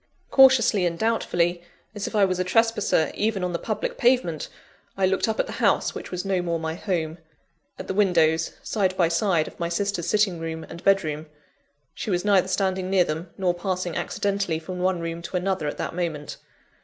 Cautiously and doubtfully, as if I was a trespasser even on the public pavement, I looked up at the house which was no more my home at the windows, side by side, of my sister's sitting room and bed room. She was neither standing near them, nor passing accidentally from one room to another at that moment.